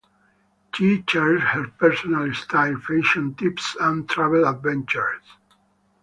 She shares her personal style, fashion tips, and travel adventures.